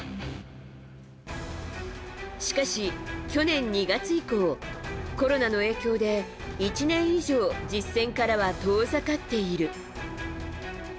しかし、去年２月以降コロナの影響で１年以上実戦からは遠ざかっている。